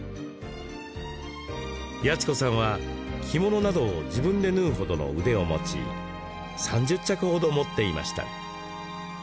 八千子さんは着物などを自分で縫う程の腕を持ち３０着程、持っていました。